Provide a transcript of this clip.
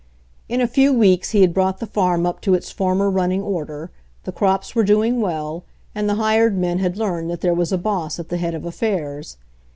In a few weeks he had brought the farm up to its former running order, the crops were doing well and the hired men had learned that there was a boss at the head of affairs.